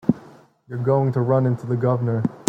You're going to run into the Governor.